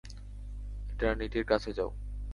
এটারনিটির কাছে যাও।